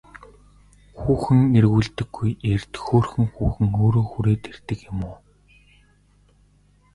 Хүүхэн эргүүлдэггүй эрд хөөрхөн хүүхэн өөрөө хүрээд ирдэг юм уу?